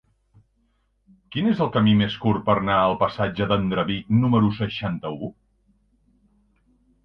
Quin és el camí més curt per anar al passatge d'Andreví número seixanta-u?